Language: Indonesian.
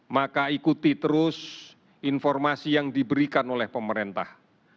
maka ikuti terus informasi yang diberikan oleh pemerintah